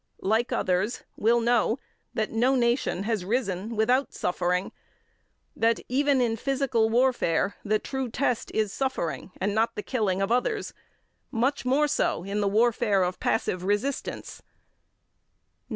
like others, will know that no nation has risen without suffering; that, even in physical warfare, the true test is suffering and not the killing of others, much more so in the warfare of passive resistance; 19.